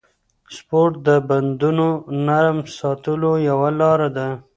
سپورت د بندونو نرم ساتلو یوه لاره ده.